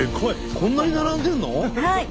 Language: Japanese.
こんなに並んでるの？